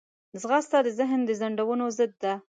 ځغاسته د ذهن د خنډونو ضد ده